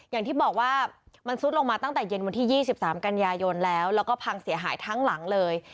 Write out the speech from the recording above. อย่างที่บอกว่ามันซุดลงมาตั้งแต่เย็นวันที่๒๓กันยายนแล้วแล้วก็พังเสียหายทั้งหลังเลย